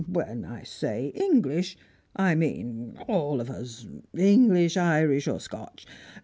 When I say English, I mean all of us, English, Irish, or Scotch.